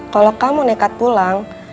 kalau kamu nekat pulang